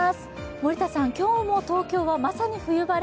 森田さん、今日も東京はまさに冬晴れ。